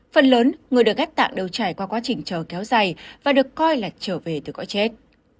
phần lớn người được ghép tạng đều trải qua quá trình chờ kéo dài và được coi là trở về từ cõi chết